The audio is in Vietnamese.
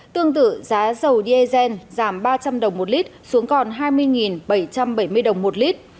tương tự giá dầu diesel giảm ba trăm linh đồng một lít xuống còn hai mươi bảy trăm bảy mươi đồng một lít